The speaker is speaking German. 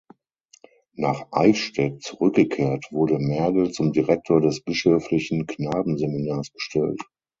Nach Eichstätt zurückgekehrt, wurde Mergel zum Direktor des Bischöflichen Knabenseminars bestellt.